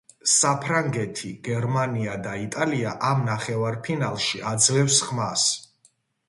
საფრანგეთი, გერმანია და იტალია ამ ნახევარფინალში აძლევს ხმას.